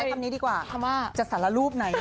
ใช้คำนี้ดีกว่าจะสารรูปไหน